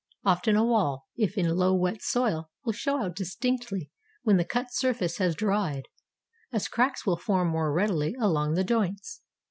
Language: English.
Often a wall, if in low wet soil, will show out distinctly when the cut surface has dried, as cracks will form more readily along the joints.